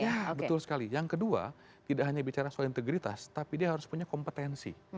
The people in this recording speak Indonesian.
ya betul sekali yang kedua tidak hanya bicara soal integritas tapi dia harus punya kompetensi